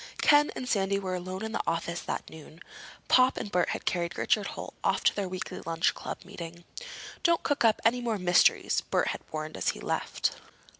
Ken and Sandy were alone in the office that noon. Pop and Bert had carried Richard Holt off to their weekly lunch club meeting. "Don't cook up any more mysteries," Bert had warned as he left.